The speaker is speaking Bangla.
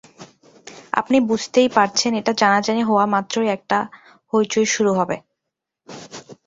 আপনি বুঝতেই পারছেন, এটা জানাজানি হওয়ামাত্রই একটা হৈচৈ শুরু হবে।